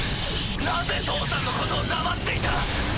なぜ父さんのことを黙っていた？